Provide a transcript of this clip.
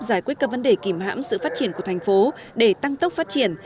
giải quyết các vấn đề kìm hãm sự phát triển của thành phố để tăng tốc phát triển